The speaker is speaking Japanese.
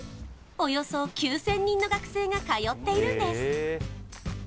およそ９０００人の学生が通っているんです